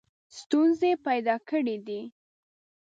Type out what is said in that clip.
ستونزې پیدا کړي دي.